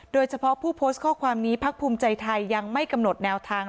โดยเฉพาะผู้โพสต์ข้อความนี้พักภูมิใจไทยยังไม่กำหนดแนวทาง